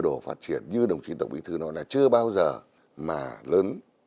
cơ độ phát triển như đồng chí tổng bí thư nói là chưa bao giờ mà lớn